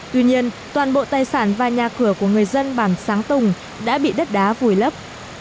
tuy nhiên toàn bộ tài sản và nhà cửa của người dân bản sáng tùng đã bị đất đá vùi lấp